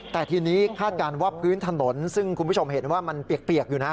แต่ทีนี้คาดการณ์ว่าพื้นถนนซึ่งคุณผู้ชมเห็นว่ามันเปียกอยู่นะ